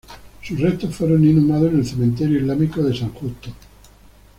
Sus restos fueron inhumados en el Cementerio Islámico de San Justo.